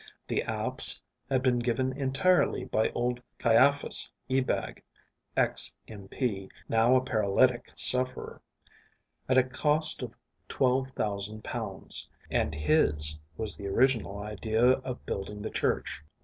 The apse had been given entirely by old Caiaphas Ebag (ex M.P., now a paralytic sufferer) at a cost of twelve thousand pounds; and his was the original idea of building the church.